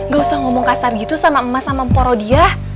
gak usah ngomong kasar gitu sama emak sama poro dia